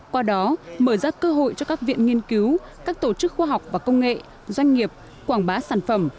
qua đó mở ra cơ hội cho các viện nghiên cứu các tổ chức khoa học và công nghệ doanh nghiệp quảng bá sản phẩm